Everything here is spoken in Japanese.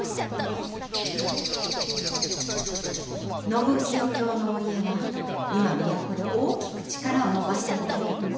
信清卿のお家は今都で大きく力を伸ばしておられるの。